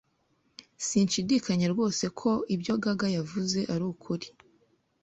Sinshidikanya rwose ko ibyo Gaga yavuze ari ukuri.